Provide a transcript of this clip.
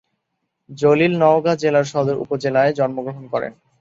জলিল নওগাঁ জেলার সদর উপজেলার জন্মগ্রহণ করেন।